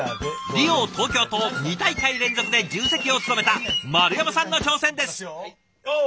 リオ東京と２大会連続で重責を務めた丸山さんの挑戦です。